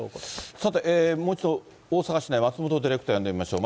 さて、もう一度大阪市内、松本ディレクター呼んでみましょう。